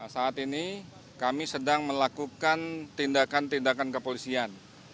saat ini kami sedang melakukan tindakan tindakan kepolisian